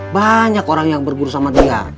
banyak orang yang berburu sama dia